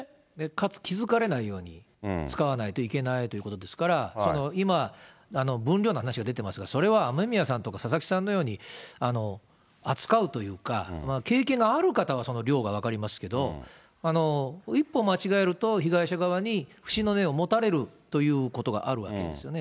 かつ気付かれないように使わないといけないということですから、今、分量の話が出ていますが、それは雨宮さんとか佐々木さんのように、扱うというか、経験がある方は量が分かりますけれども、一歩間違えると、被害者側に不審の念を持たれるということがあるわけですよね。